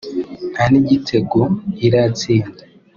nta n’igitego iratsinda